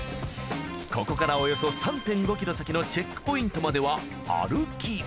ここからおよそ３．５ｋｍ先のチェックポイントまでは歩き。